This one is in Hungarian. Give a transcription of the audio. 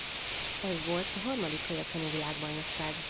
Ez volt a harmadik kajak-kenu világbajnokság.